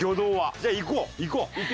じゃあ行こう行こう。